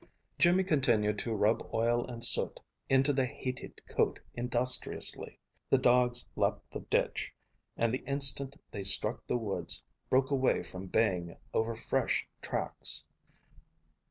Jimmy continued to rub oil and soot into the hated coat industriously. The dogs leaped the ditch, and the instant they struck the woods broke away baying over fresh tracks.